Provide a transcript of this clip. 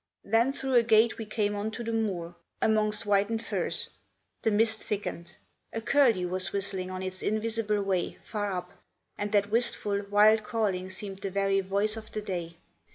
Then through a gate we came on to the moor, amongst whitened furze. The mist thickened. A curlew was whistling on its invisible way, far up; and that wistful, wild calling seemed the very voice of the day.